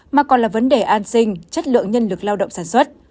mà còn là vấn đề an sinh chất lượng nhân lực lao động sản xuất